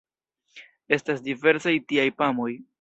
Estas diversaj tiaj mapoj.